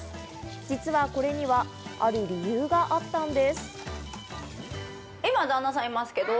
実はこれには、ある理由があったんです。